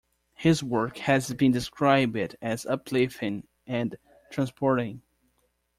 His work has been described as "uplifting" and "transporting".